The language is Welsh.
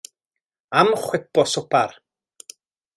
Am chwip o swpar.